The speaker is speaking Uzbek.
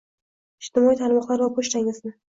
Ijtimoiy tarmoqlar va pochtangizni